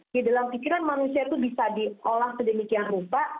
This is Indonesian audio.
di dalam pikiran manusia itu bisa diolah sedemikian rupa